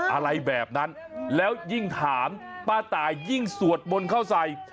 อะไรแบบนั้นแล้วยิ่งถามป้าตายยิ่งสวดมนต์เข้าใส่